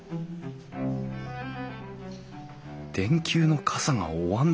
電球のかさがおわんだ。